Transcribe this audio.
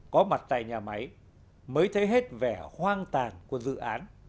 có mặt tại nhà máy mới thấy hết vẻ hoang tàn của dự án